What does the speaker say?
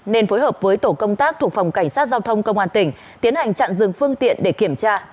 nên phối hợp với tổ công tác thuộc phòng cảnh sát giao thông công an tỉnh tiến hành chặn dừng phương tiện để kiểm tra